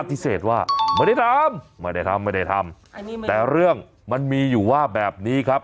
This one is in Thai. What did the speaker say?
ปฏิเสธว่าไม่ได้ทำไม่ได้ทำไม่ได้ทำแต่เรื่องมันมีอยู่ว่าแบบนี้ครับ